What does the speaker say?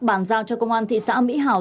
bàn giao cho công an thị xã mỹ hào